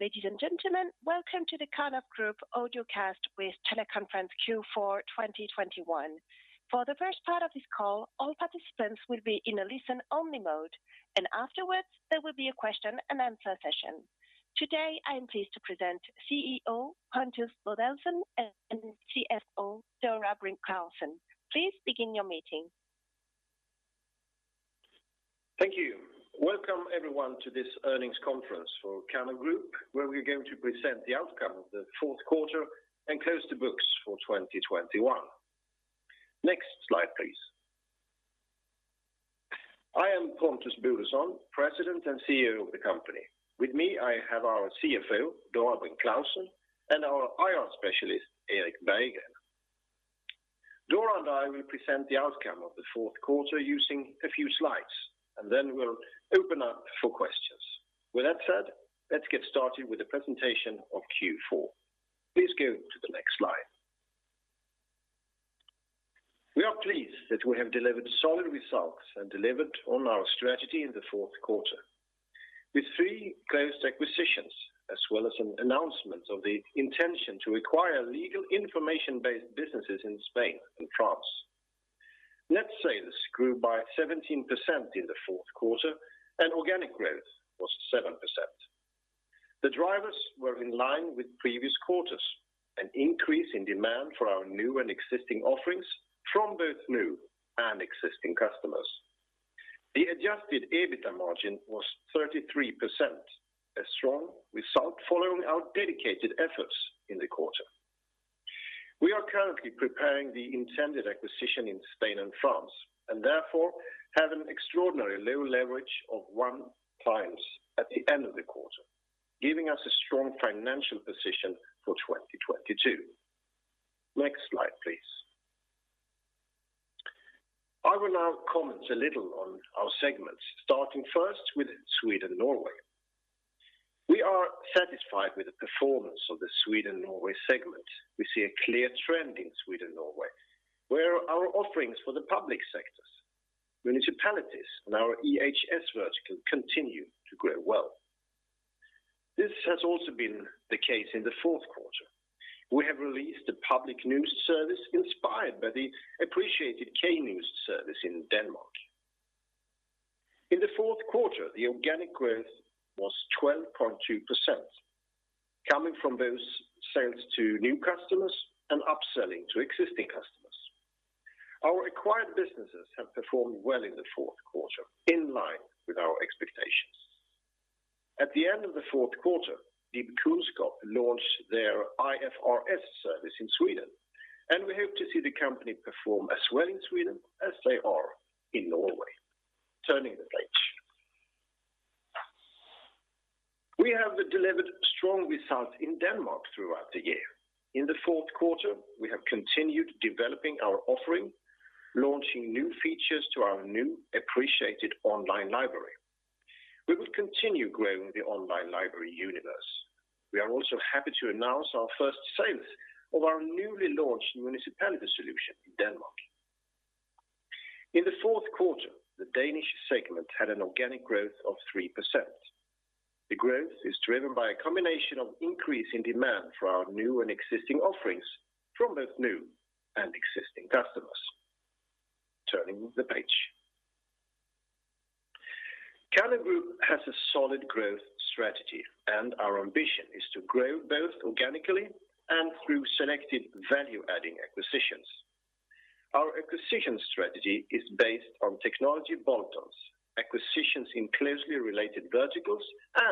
Ladies and gentlemen, welcome to the Karnov Group audiocast with teleconference Q4 2021. For the first part of this call, all participants will be in a listen-only mode, and afterwards, there will be a question and answer session. Today, I am pleased to present CEO Pontus Bodelsson and CFO Dora Brink Clausen. Please begin your meeting. Thank you. Welcome everyone to this earnings conference for Karnov Group, where we're going to present the outcome of the fourth quarter and close the books for 2021. Next slide, please. I am Pontus Bodelsson, President and CEO of the company. With me, I have our CFO, Dora Brink Clausen, and our IR specialist, Erik Berggren. Dora and I will present the outcome of the fourth quarter using a few slides, and then we'll open up for questions. With that said, let's get started with the presentation of Q4. Please go to the next slide. We are pleased that we have delivered solid results and delivered on our strategy in the fourth quarter. With three closed acquisitions, as well as an announcement of the intention to acquire legal information-based businesses in Spain and France. Net sales grew by 17% in the fourth quarter, and organic growth was 7%. The drivers were in line with previous quarters, an increase in demand for our new and existing offerings from both new and existing customers. The adjusted EBITDA margin was 33%, a strong result following our dedicated efforts in the quarter. We are currently preparing the intended acquisition in Spain and France, and therefore have an extraordinarily low leverage of 1x at the end of the quarter, giving us a strong financial position for 2022. Next slide, please. I will now comment a little on our segments, starting first with Sweden and Norway. We are satisfied with the performance of the Sweden-Norway segment. We see a clear trend in Sweden and Norway, where our offerings for the public sectors, municipalities, and our EHS vertical continue to grow well. This has also been the case in the fourth quarter. We have released a public news service inspired by the appreciated K-News service in Denmark. In the fourth quarter, the organic growth was 12.2%, coming from those sales to new customers and upselling to existing customers. Our acquired businesses have performed well in the fourth quarter, in line with our expectations. At the end of the fourth quarter, DIBkunnskap launched their IFRS service in Sweden, and we hope to see the company perform as well in Sweden as they are in Norway. Turning the page. We have delivered strong results in Denmark throughout the year. In the fourth quarter, we have continued developing our offering, launching new features to our new appreciated online library. We will continue growing the online library universe. We are also happy to announce our first sales of our newly launched municipality solution in Denmark. In the fourth quarter, the Danish segment had an organic growth of 3%. The growth is driven by a combination of increase in demand for our new and existing offerings from both new and existing customers. Turning the page. Karnov Group has a solid growth strategy, and our ambition is to grow both organically and through selected value-adding acquisitions. Our acquisition strategy is based on technology bolt-ons, acquisitions in closely related verticals,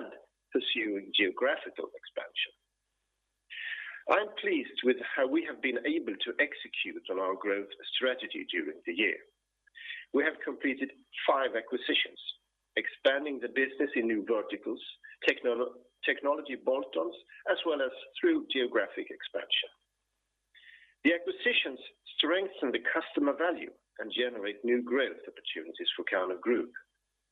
and pursuing geographical expansion. I am pleased with how we have been able to execute on our growth strategy during the year. We have completed five acquisitions, expanding the business in new verticals, technology bolt-ons, as well as through geographic expansion. The acquisitions strengthen the customer value and generate new growth opportunities for Karnov Group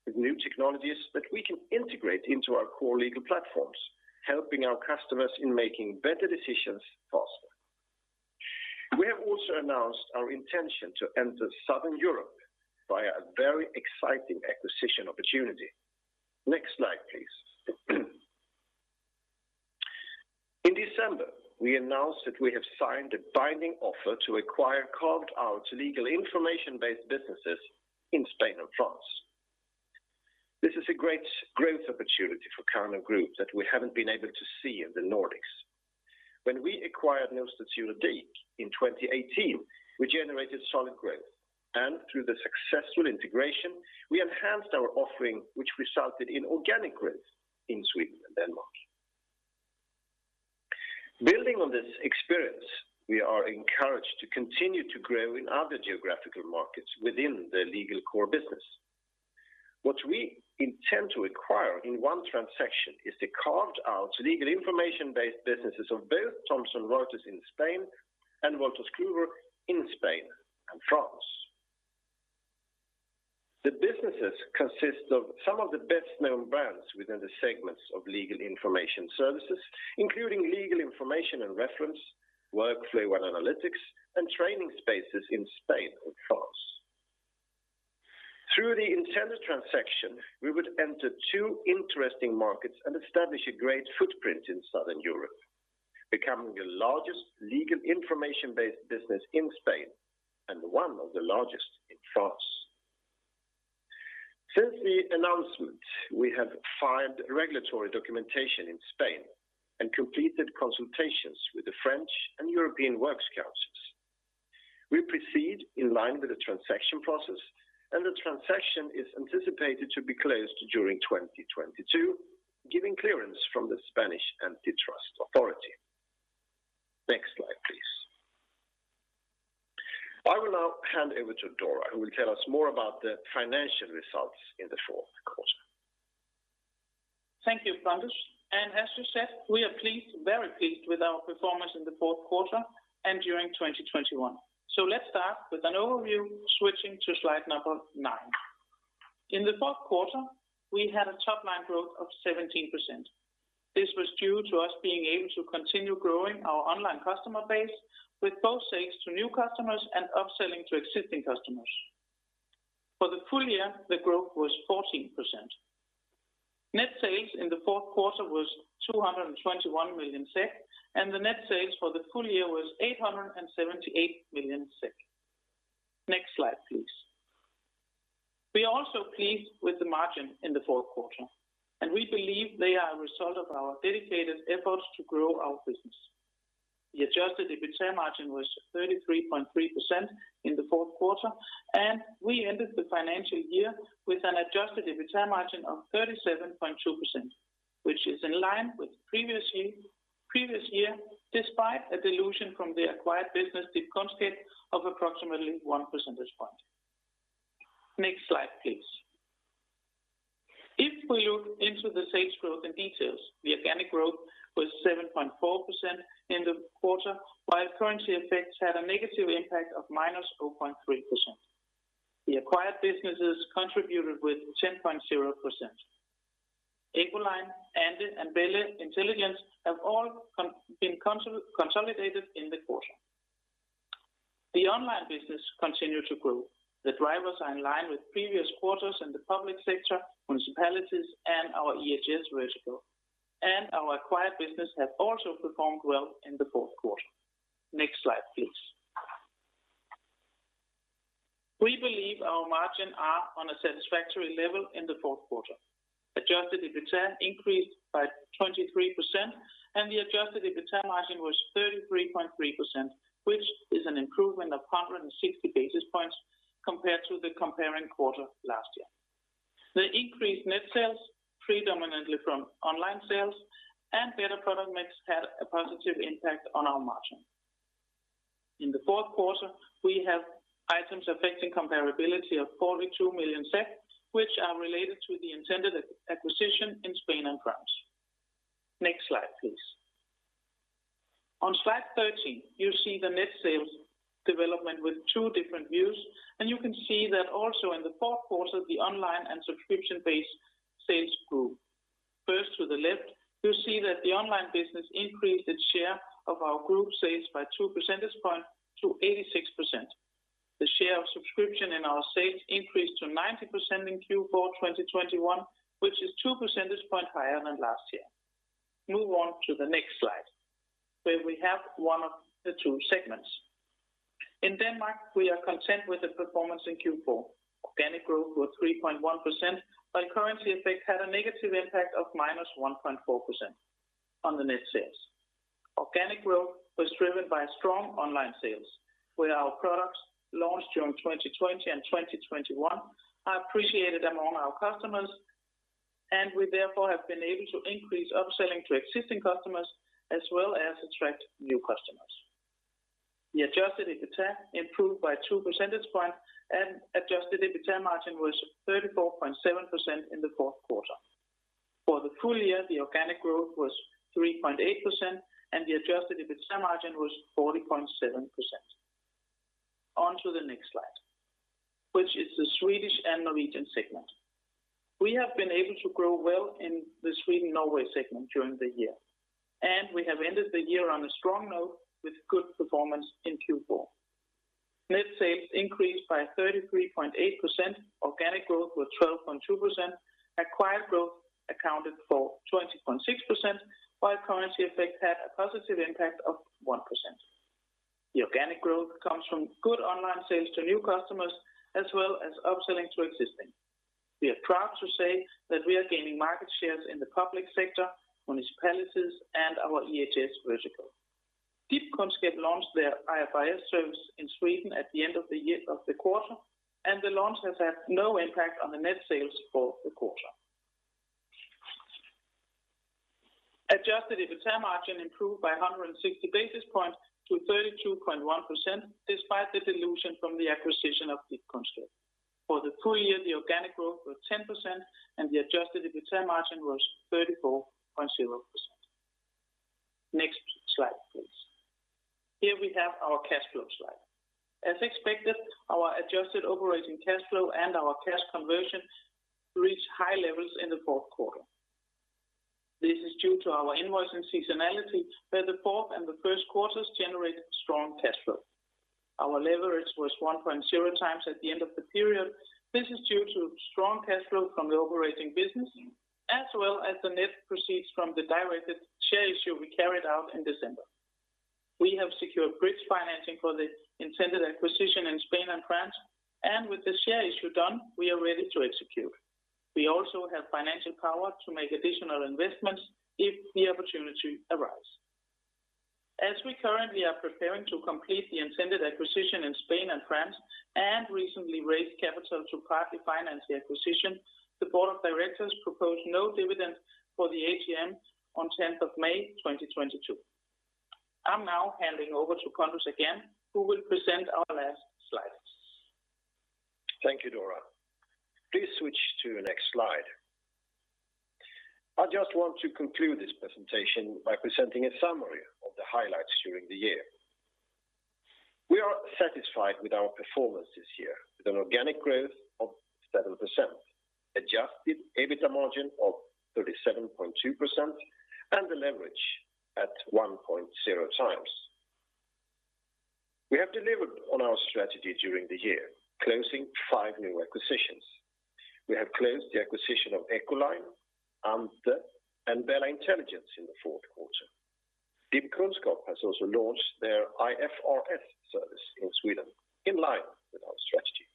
with new technologies that we can integrate into our core legal platforms, helping our customers in making better decisions faster. We have also announced our intention to enter Southern Europe via a very exciting acquisition opportunity. Next slide, please. In December, we announced that we have signed a binding offer to acquire carved-out legal information-based businesses in Spain and France. This is a great growth opportunity for Karnov Group that we haven't been able to see in the Nordics. When we acquired Nyhedsaktuelt.dk In 2018, we generated solid growth, and through the successful integration, we enhanced our offering, which resulted in organic growth in Sweden and Denmark. Building on this experience, we are encouraged to continue to grow in other geographical markets within the legal core business. What we intend to acquire in one transaction is the carved-out legal information-based businesses of both Thomson Reuters in Spain and Wolters Kluwer in Spain and France. The businesses consist of some of the best-known brands within the segments of legal information services, including legal information and reference, workflow and analytics, and training spaces in Spain and France. Through the intended transaction, we would enter two interesting markets and establish a great footprint in Southern Europe, becoming the largest legal information-based business in Spain and one of the largest in France. Since the announcement, we have filed regulatory documentation in Spain and completed consultations with the French and European Works Councils. We proceed in line with the transaction process, and the transaction is anticipated to be closed during 2022, giving clearance from the Spanish antitrust authority. Next slide, please. I will now hand over to Dora, who will tell us more about the financial results in the fourth quarter. Thank you, Anders. As you said, we are pleased, very pleased with our performance in the fourth quarter and during 2021. Let's start with an overview, switching to slide nine. In the fourth quarter, we had a top-line growth of 17%. This was due to us being able to continue growing our online customer base with both sales to new customers and upselling to existing customers. For the full year, the growth was 14%. Net sales in the fourth quarter was 221 million SEK, and the net sales for the full year was 878 million SEK. Next slide, please. We are also pleased with the margin in the fourth quarter, and we believe they are a result of our dedicated efforts to grow our business. The adjusted EBITDA margin was 33.3% in the fourth quarter, and we ended the financial year with an adjusted EBITDA margin of 37.2%, which is in line with previous year, despite a dilution from the acquired business, DIBkunnskap, of approximately one percentage point. Next slide, please. If we look into the sales growth in details, the organic growth was 7.4% in the quarter, while currency effects had a negative impact of -0.3%. The acquired businesses contributed with 10.0%. Echoline, Ante, and BELLA Intelligence have all consolidated in the quarter. The online business continued to grow. The drivers are in line with previous quarters in the public sector, municipalities, and our EHS vertical. Our acquired business have also performed well in the fourth quarter. Next slide, please. We believe our margins are on a satisfactory level in the fourth quarter. Adjusted EBITDA increased by 23%, and the adjusted EBITDA margin was 33.3%, which is an improvement of 160 basis points compared to the corresponding quarter last year. The increased net sales, predominantly from online sales and better product mix, had a positive impact on our margin. In the fourth quarter, we have items affecting comparability of 42 million, which are related to the intended acquisition in Spain and France. Next slide, please. On slide 13, you see the net sales development with two different views, and you can see that also in the fourth quarter, the online and subscription-based sales grew. First, to the left, you see that the online business increased its share of our group sales by 2 percentage points to 86%. The share of subscription in our sales increased to 90% in Q4 2021, which is two percentage points higher than last year. Move on to the next slide, where we have one of the two segments. In Denmark, we are content with the performance in Q4. Organic growth was 3.1%, but currency effect had a negative impact of -1.4% on the net sales. Organic growth was driven by strong online sales, where our products launched during 2020 and 2021 are appreciated among our customers, and we therefore have been able to increase upselling to existing customers as well as attract new customers. The adjusted EBITDA improved by two percentage points, and adjusted EBITDA margin was 34.7% in the fourth quarter. For the full year, the organic growth was 3.8%, and the adjusted EBITDA margin was 40.7%. On to the next slide, which is the Swedish and Norwegian segment. We have been able to grow well in the Sweden-Norway segment during the year, and we have ended the year on a strong note with good performance in Q4. Net sales increased by 33.8%. Organic growth was 12.2%. Acquired growth accounted for 20.6%, while currency effect had a positive impact of 1%. The organic growth comes from good online sales to new customers as well as upselling to existing. We are proud to say that we are gaining market shares in the public sector, municipalities, and our EHS vertical. DIBkunnskap launched their IFRS service in Sweden at the end of the quarter, and the launch has had no impact on the net sales for the quarter. Adjusted EBITDA margin improved by 160 basis points to 32.1%, despite the dilution from the acquisition of DIBkunnskap. For the full year, the organic growth was 10%, and the adjusted EBITDA margin was 34.0%. Next slide, please. Here we have our cash flow slide. As expected, our adjusted operating cash flow and our cash conversion reached high levels in the fourth quarter. This is due to our invoicing seasonality, where the fourth and the first quarters generate strong cash flow. Our leverage was 1.0x at the end of the period. This is due to strong cash flow from the operating business, as well as the net proceeds from the directed share issue we carried out in December. We have secured bridge financing for the intended acquisition in Spain and France. With the share issue done, we are ready to execute. We also have financial power to make additional investments if the opportunity arise. As we currently are preparing to complete the intended acquisition in Spain and France, and recently raised capital to partly finance the acquisition, the board of directors propose no dividend for the AGM on 10th of May 2022. I'm now handing over to Pontus again, who will present our last slides. Thank you, Dora. Please switch to the next slide. I just want to conclude this presentation by presenting a summary of the highlights during the year. We are satisfied with our performance this year with an organic growth of 7%, adjusted EBITDA margin of 37.2%, and the leverage at 1.0x. We have delivered on our strategy during the year, closing five new acquisitions. We have closed the acquisition of Echoline, Ante, and BELLA Intelligence in the fourth quarter. DIBkunnskap has also launched their IFRS service in Sweden in line with our strategy.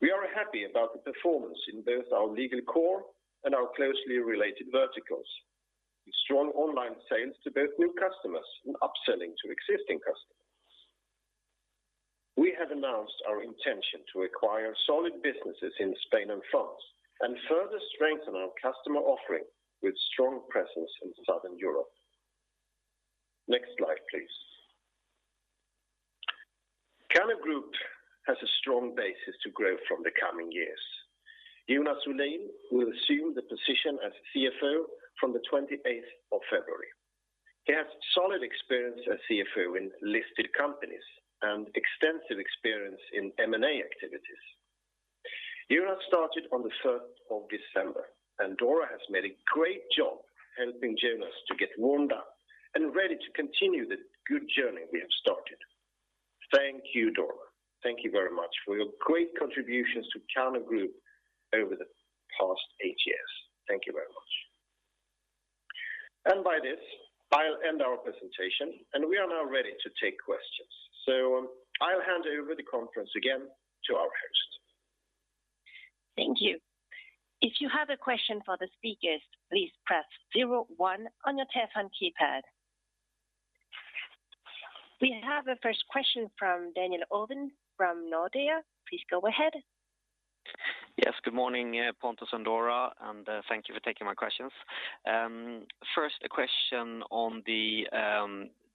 We are happy about the performance in both our legal core and our closely related verticals, with strong online sales to both new customers and upselling to existing customers. We have announced our intention to acquire solid businesses in Spain and France and further strengthen our customer offering with strong presence in Southern Europe. Next slide, please. Karnov Group has a strong basis to grow from the coming years. Jonas Olin will assume the position as CFO from the 28th of February. He has solid experience as CFO in listed companies and extensive experience in M&A activities. Jonas Olin started on the 1st of December, and Dora has made a great job helping Jonas Olin to get warmed up and ready to continue the good journey we have started. Thank you, Dora. Thank you very much for your great contributions to Karnov Group over the past eight years. Thank you very much. By this, I'll end our presentation, and we are now ready to take questions. I'll hand over the conference again to our host. Thank you. If you have a question for the speakers, please press zero one on your telephone keypad. We have the first question from Daniel Ovin from Nordea. Please go ahead. Yes, good morning, Pontus and Dora, and thank you for taking my questions. First, a question on the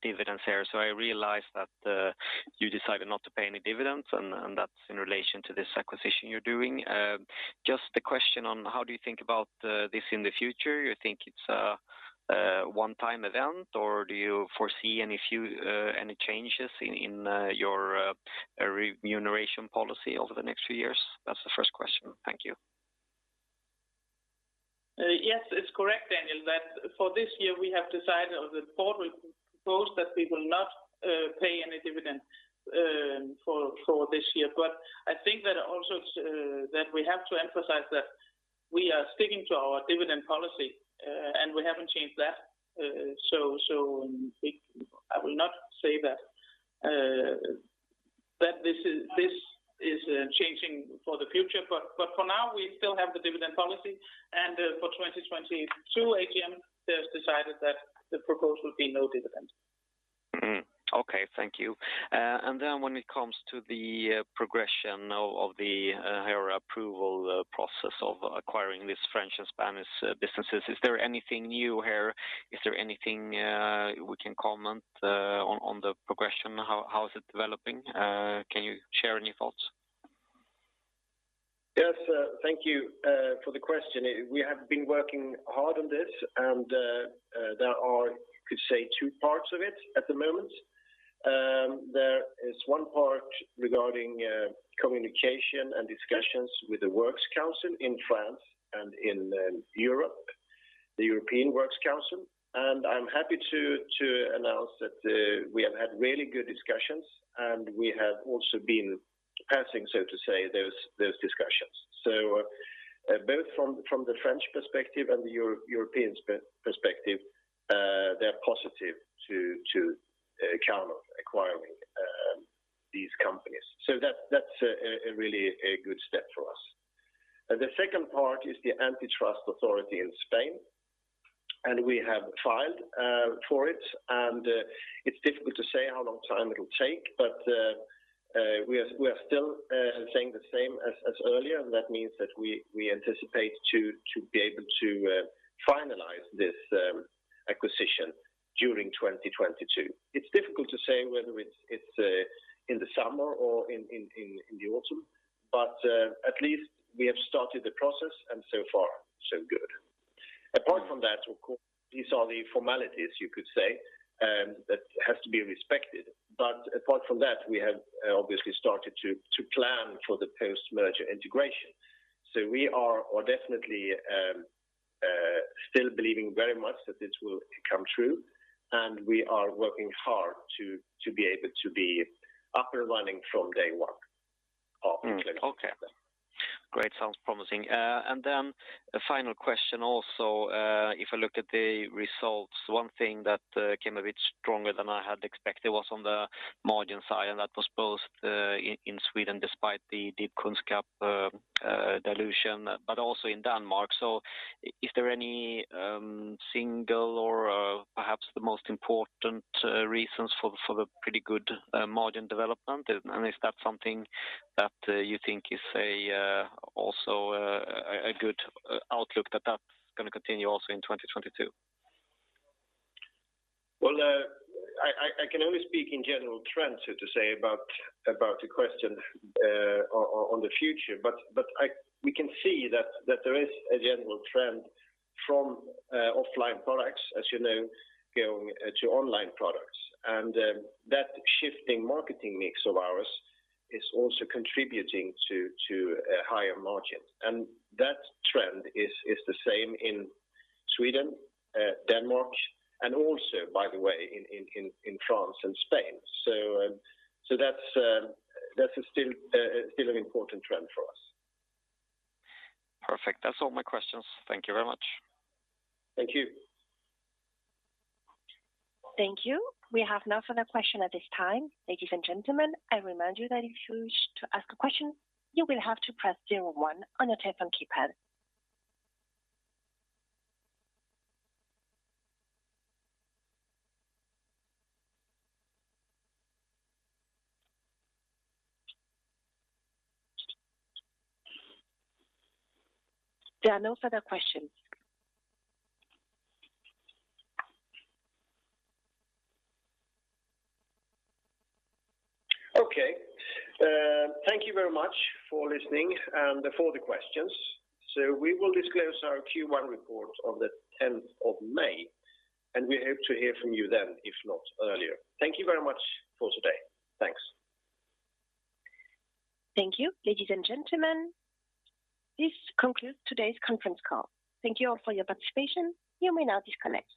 dividends here. I realize that you decided not to pay any dividends and that's in relation to this acquisition you're doing. Just a question on how do you think about this in the future? You think it's a one-time event, or do you foresee any changes in your remuneration policy over the next few years? That's the first question. Thank you. Yes, it's correct, Daniel, that for this year, we have decided or the board will propose that we will not pay any dividend for this year. I think that also that we have to emphasize that we are sticking to our dividend policy and we haven't changed that. I will not say that that this is changing for the future. For now, we still have the dividend policy. For 2022 AGM, they've decided that the proposal will be no dividend. Okay. Thank you. When it comes to the progression of the regulatory approval process of acquiring these French and Spanish businesses, is there anything new here? Is there anything we can comment on the progression? How is it developing? Can you share any thoughts? Yes, thank you for the question. We have been working hard on this and there are, you could say, two parts of it at the moment. There is one part regarding communication and discussions with the Works Council in France and in Europe, the European Works Council. I'm happy to announce that we have had really good discussions, and we have also been passing, so to say, those discussions. Both from the French perspective and the European perspective, they're positive to Karnov acquiring these companies. That's a really good step for us. The second part is the Antitrust Authority in Spain, and we have filed for it. It's difficult to say how long time it'll take, but we are still saying the same as earlier. That means that we anticipate to be able to finalize this acquisition during 2022. It's difficult to say whether it's in the summer or in the autumn, but at least we have started the process and so far so good. Mm. Apart from that, of course, these are the formalities you could say, that has to be respected. Apart from that, we have obviously started to plan for the post-merger integration. We are definitely still believing very much that this will come true, and we are working hard to be able to be up and running from day one of Claes & Co. Okay. Great. Sounds promising. And then a final question also, if I look at the results, one thing that came a bit stronger than I had expected was on the margin side, and that was both in Sweden, despite the DIBkunnskap dilution, but also in Denmark. Is there any single or perhaps the most important reasons for the pretty good margin development? And is that something that you think is also a good outlook that's gonna continue also in 2022? Well, I can only speak in general trends, so to say, about the question on the future, but we can see that there is a general trend from offline products, as you know, going to online products. That shifting marketing mix of ours is also contributing to higher margins. That trend is the same in Sweden, Denmark, and also, by the way, in France and Spain. That's still an important trend for us. Perfect. That's all my questions. Thank you very much. Thank you. Thank you. We have no further question at this time. Ladies and gentlemen, I remind you that if you wish to ask a question, you will have to press zero one on your telephone keypad. There are no further questions. Okay. Thank you very much for listening and for the questions. We will disclose our Q1 report on the tenth of May, and we hope to hear from you then, if not earlier. Thank you very much for today. Thanks. Thank you. Ladies and gentlemen, this concludes today's conference call. Thank you all for your participation. You may now disconnect.